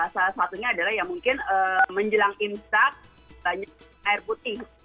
salah satunya adalah ya mungkin menjelang imsak banyak air putih